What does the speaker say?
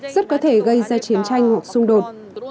rất có thể gây ra chiến tranh hoặc xung đột